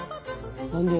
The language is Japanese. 何で？